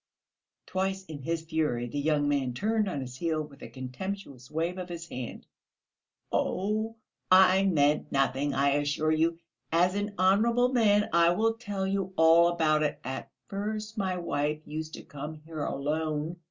Twice in his fury the young man turned on his heel with a contemptuous wave of his hand. "Oh, I meant nothing, I assure you. As an honourable man I will tell you all about it. At first my wife used to come here alone.